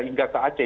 hingga ke aceh